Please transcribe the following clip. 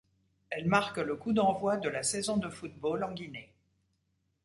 Elle marque le coup d’envoi de la saison de football en Guinée.